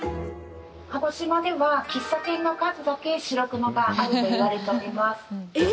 鹿児島では喫茶店の数だけしろくまがあるといわれております。